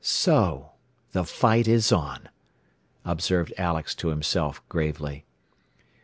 "So! the 'fight' is on!" observed Alex to himself gravely.